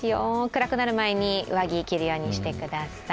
暗くなる前に上着を着るようにしてください。